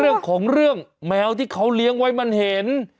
เรื่องของเรื่องแมวที่เขาเลี้ยงไว้มันเห็น